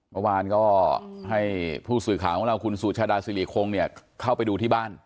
เมื่อวานก็ให้ผู้สื่อข่าวของเราคุณสุชาดาสิริคงเนี่ยเข้าไปดูที่บ้าน